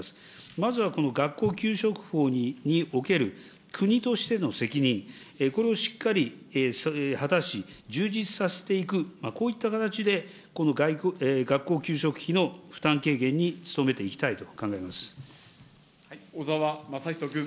まずはこの学校給食法における国としての責任、これをしっかり果たし、充実させていく、こういった形でこの学校給食費の負担軽減に努めていきたいと考え小沢雅仁君。